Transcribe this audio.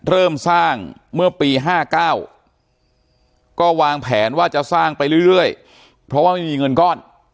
เริ่มสร้างเมื่อปี๕๙ก็วางแผนว่าจะสร้างไปเรื่อยเพราะว่าไม่มีเงินก้อน